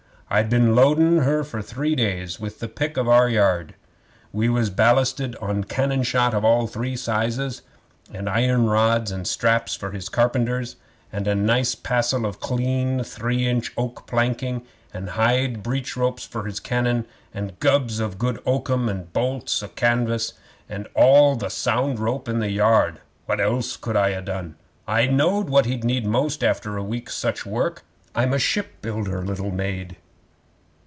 I'd been loadin' her for three days with the pick of our yard. We was ballasted on cannon shot of all three sizes; and iron rods and straps for his carpenters; and a nice passel of clean three inch oak planking and hide breech ropes for his cannon, and gubs of good oakum, and bolts o' canvas, and all the sound rope in the yard. What else could I ha' done? I knowed what he'd need most after a week's such work. I'm a shipbuilder, little maid.